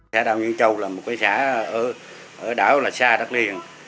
xã đảo nhơn châu là một xã ở đảo xa đất liền